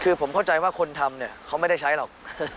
คือผมเข้าใจว่าคนทำเนี่ยเขาไม่ได้ใช้หรอก